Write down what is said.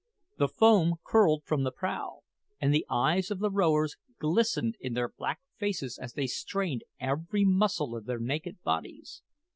The foam curled from the prow, and the eyes of the rowers glistened in their black faces as they strained every muscle of their naked bodies.